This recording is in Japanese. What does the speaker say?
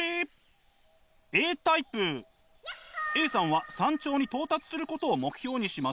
Ａさんは山頂に到達することを目標にします。